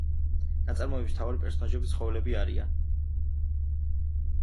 ნაწარმოების მთავარი პერსონაჟები ცხოველები არიან.